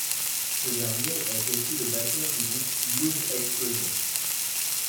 Ce dernier est aussi le batteur du groupe Blues Explosion.